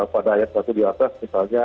pada ayat satu di atas misalnya